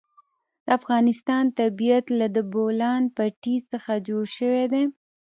د افغانستان طبیعت له د بولان پټي څخه جوړ شوی دی.